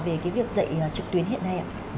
về cái việc dạy trực tuyến hiện nay ạ